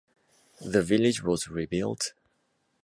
The village was rebuilt.